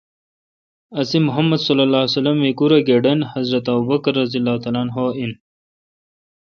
اسے°محمدؐہیکوراے° گڑن حضرت ابوبکؓر این